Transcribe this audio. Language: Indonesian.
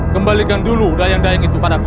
kembalikan dulu dayang daeng itu padaku